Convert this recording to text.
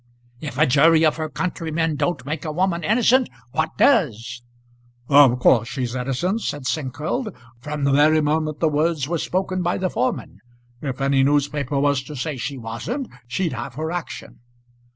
If a jury of her countrymen don't make a woman innocent, what does?" "Of course she's innocent," said Snengkeld; "from the very moment the words was spoken by the foreman. If any newspaper was to say she wasn't she'd have her action."